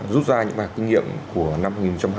rút ra những cái kinh nghiệm của năm hai nghìn hai mươi một